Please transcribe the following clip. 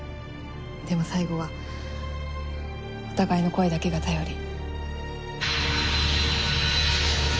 でも最後はお互いの声だけが頼り。